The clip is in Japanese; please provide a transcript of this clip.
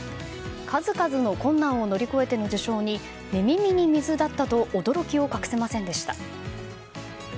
数々の困難を乗り越えての受賞に寝耳に水だったと驚きを隠せませんでした。